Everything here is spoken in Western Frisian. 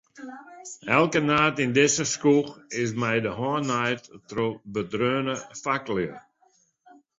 Elke naad yn dizze skoech is mei de hân naaid troch bedreaune faklju.